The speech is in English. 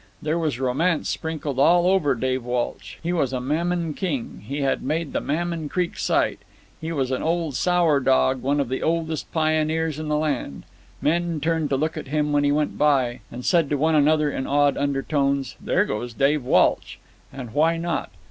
There was romance sprinkled all over Dave Walsh. He was a Mammon King, he had made the Mammon Creek strike; he was an old sour dough, one of the oldest pioneers in the land—men turned to look at him when he went by, and said to one another in awed undertones, 'There goes Dave Walsh.' And why not?